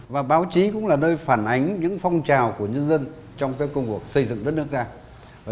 và báo chí cũng là nơi phản ánh những phong trào của nhân dân trong các công cuộc xây dựng đất nước ta